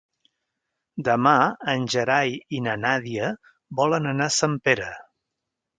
Demà en Gerai i na Nàdia volen anar a Sempere.